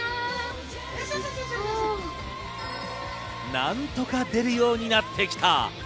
何とか出るようになってきた。